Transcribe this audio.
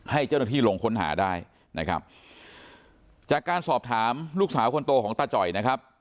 ให้เจ้าหน้าที่ลงค้นหาได้นะครับจากการสอบถามลูกสาวคนโตของตาจ่อยนะครับ